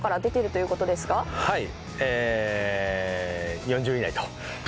はい。